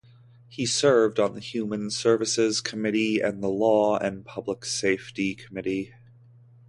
He served on the Human Services Committee and the Law and Public Safety Committee.